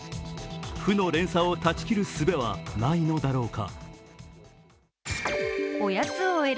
負の連鎖を断ち切るすべはないのだろうか。